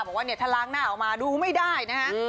บอกว่าเนี่ยถ้าล้างหน้าออกมาดูไม่ได้นะฮะ